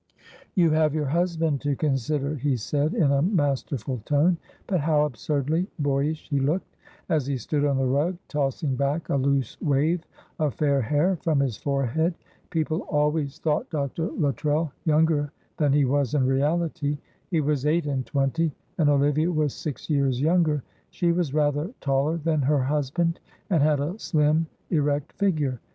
"You have your husband to consider," he said, in a masterful tone, but how absurdly boyish he looked, as he stood on the rug, tossing back a loose wave of fair hair from his forehead. People always thought Dr. Luttrell younger than he was in reality. He was eight and twenty, and Olivia was six years younger. She was rather taller than her husband, and had a slim erect figure.